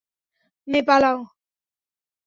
মে, পালাও।